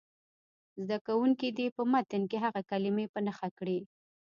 زده کوونکي دې په متن کې هغه کلمې په نښه کړي.